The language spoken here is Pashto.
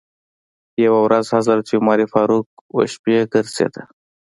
یوه ورځ حضرت عمر فاروق و شپې ګرځېده.